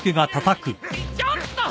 ちょっと！